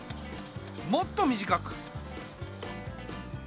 もっと短く。